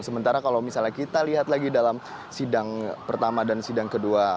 sementara kalau misalnya kita lihat lagi dalam sidang pertama dan sidang kedua